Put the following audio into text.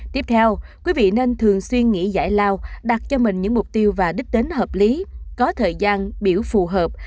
tiếp theo quý vị nên thường xuyên nghỉ giải lao đặt cho mình những mục tiêu và đích đến hợp lý có thời gian biểu phù hợp